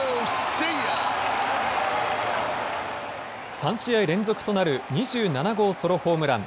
３試合連続となる２７号ソロホームラン。